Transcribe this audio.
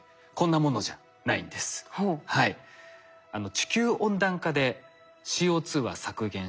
地球温暖化でＣＯは削減したい。